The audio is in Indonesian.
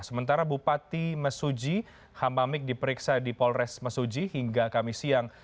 sementara bupati mesuji hamamik diperiksa di polres mesuji hingga kamis siang